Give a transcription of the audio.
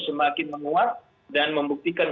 semakin menguat dan membuktikan